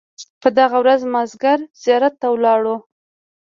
په دغه ورځ مازیګر زیارت ته ولاړو.